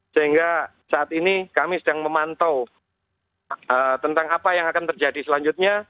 sehingga saat ini kami sedang memantau tentang apa yang akan terjadi selanjutnya